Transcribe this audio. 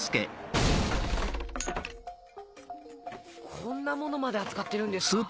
こんなものまで扱ってるんですか？